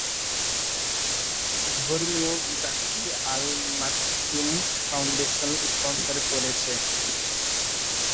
ধর্মীয় বিভাগটি Al Maktoum foundation sponsor করেছে।